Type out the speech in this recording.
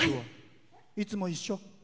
いつも一緒？